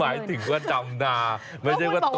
หมายถึงว่าดำนาไม่ใช่ว่าตัว